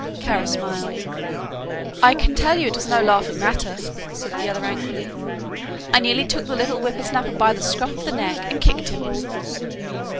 Kara smiled. "I can tell you it was no laughing matter," said the other, angrily, "I nearly took the little whippersnapper by the scruff of the neck and kicked him."